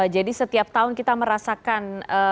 jadi setiap tahun kita merasakan